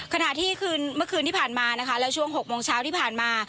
ขณะที่คืนเมื่อคืนที่ผ่านมานะคะแล้วช่วง๖โมงเช้าที่ผ่านมา